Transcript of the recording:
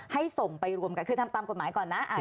ให้ส่งไปรวมกันคือทำตามกฎหมายก่อนนะ